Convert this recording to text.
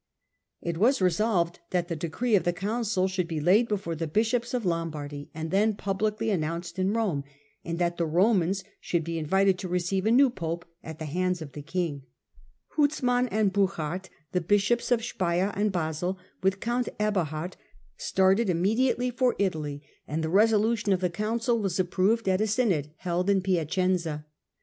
' It was resolved that the decree of the council should be laid before the bishops of Lombardy, and then publicly announced in Rome, and that the Romans should be invited to receive a new pope at the hands of the king. Huzman and Burchard, the bishops of Speier and Basel, with count Eberhard, started immediately for Digitized by vJOOQIC Henry IV. under the Ban 117 Italy, and the resolution of the council was approved at a synod held in Piacenza.